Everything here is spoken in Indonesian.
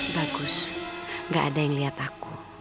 bagus gak ada yang lihat aku